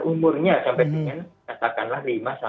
umurnya sampai dengan katakanlah